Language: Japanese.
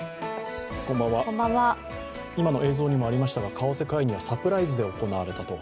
今の映像にもありましたが為替介入はサプライズで行われたと。